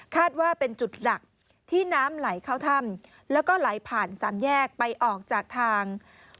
ว่าเป็นจุดหลักที่น้ำไหลเข้าถ้ำแล้วก็ไหลผ่านสามแยกไปออกจากทาง